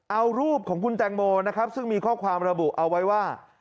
เอารูปของคุณแตงโมนะครับซึ่งมีข้อความระบุเอาไว้ว่า